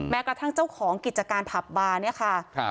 กระทั่งเจ้าของกิจการผับบาร์เนี่ยค่ะ